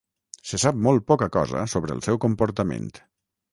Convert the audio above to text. Se sap molt poca cosa sobre el seu comportament.